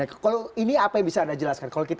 kalau ini apa yang bisa anda jelaskan